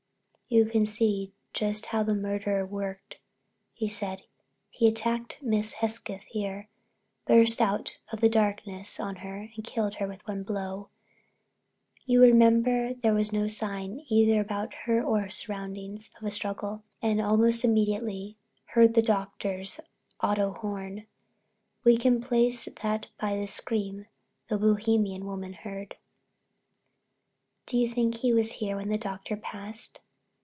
"You can see just how the murderer worked," he said. "He attacked Miss Hesketh here, burst out of the darkness on her and killed her with one blow—you remember there was no sign either about her or the surroundings of a struggle—and almost immediately heard the Doctor's auto horn. We can place that by the scream the Bohemian woman heard." "Do you think he was there when the Doctor passed?"